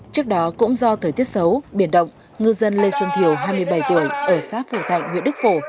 trước đó cũng do thời tiết xấu biển động ngư dân lê xuân thiều hai mươi bảy tuổi ở xã phổ thạnh huyện đức phổ